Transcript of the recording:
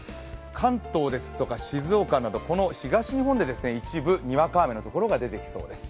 関東ですとか静岡など東日本で一部にわか雨のところが出てきそうです。